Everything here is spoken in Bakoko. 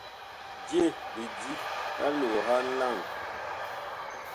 Je lidi la loohan la ŋku.